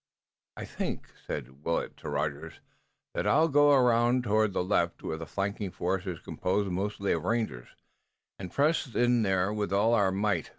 "I think," said Willet to Rogers, "that I'll go around toward the left, where the flanking force is composed mostly of rangers, and press in there with all our might.